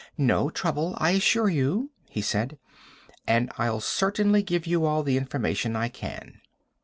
"No trouble, I assure you," he said. "And I'll certainly give you all the information I can."